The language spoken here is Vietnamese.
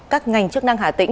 các ngành chức năng hà tĩnh